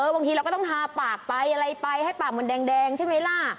บางทีเราก็ต้องทาปากไปอะไรไปให้ปากมันแดงใช่ไหมล่ะ